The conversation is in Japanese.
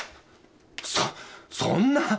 そっそんな！